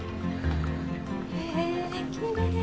へぇきれい。